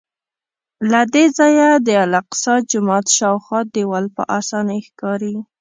له دې ځایه د الاقصی جومات شاوخوا دیوال په اسانۍ ښکاري.